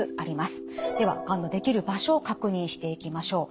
ではがんのできる場所を確認していきましょう。